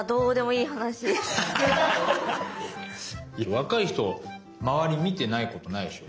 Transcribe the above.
いや若い人周り見てないことないでしょ。